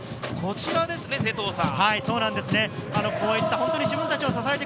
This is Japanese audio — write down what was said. こちらですね、瀬藤さん。